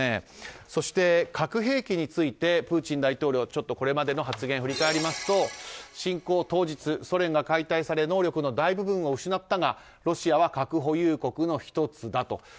そして、核兵器についてプーチン大統領ちょっとこれまでの発言を振り返ると侵攻当日、ソ連が解体され能力の大部分を失ったがロシアは核保有国の１つだと。